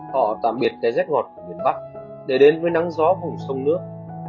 họ tạm biệt té rét ngọt ở miền bắc để đến với nắng gió vùng sông nước